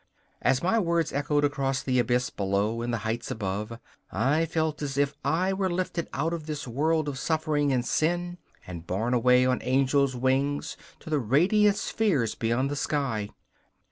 As my words echoed from the abyss below and the heights above I felt as if I were lifted out of this world of suffering and sin and borne away on angel's wings to the radiant spheres beyond the sky!